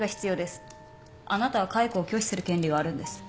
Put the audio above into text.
あなたは解雇を拒否する権利があるんです。